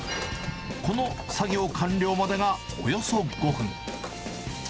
この作業完了までがおよそ５分。